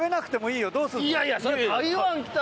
いやいや。